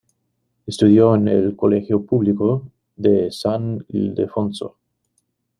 Estudió en el Colegio Público de San Ildefonso.